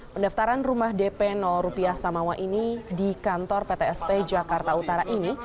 pendaftaran rumah dp rupiah samawa ini di kantor ptsp jakarta utara ini